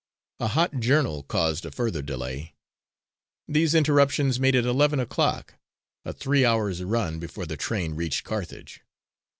A hot journal caused a further delay. These interruptions made it eleven o'clock, a three hours' run, before the train reached Carthage.